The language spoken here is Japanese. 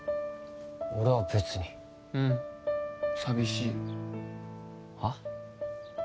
俺は別にうん寂しいはっ？